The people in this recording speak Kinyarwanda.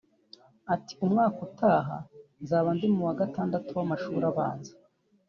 Ati “Umwaka utaha nzaba ndi mu wa gatandatu w’amashuri abanza